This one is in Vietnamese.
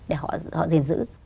để họ giền giữ